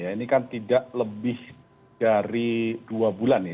ini kan tidak lebih dari dua bulan ya